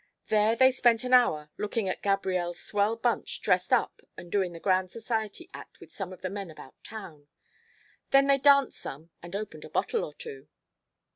There they spent an hour lookin' at Gabrielle's swell bunch dressed up and doin' the grand society act with some of the men about town. Then they danced some and opened a bottle or two.